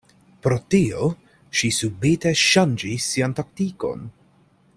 Pro tio, ŝi subite ŝanĝis sian taktikon.